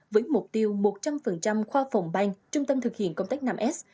với mục tiêu một trăm linh khoa phòng banh trung tâm thực hiện công tác năm s